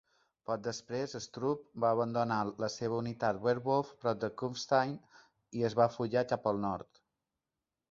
Poc després, Stroop va abandonar la seva unitat Werwolf prop de Kufstein i es va fugar cap al nord.